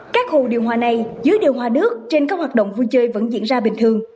các hồ điều hòa này dưới điều hòa nước trên các hoạt động vui chơi vẫn diễn ra bình thường